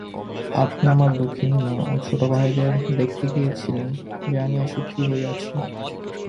আপনি আমার দুঃখিনী মা ও ছোটভাইদের দেখিতে গিয়াছিলেন জানিয়া সুখী হইয়াছি।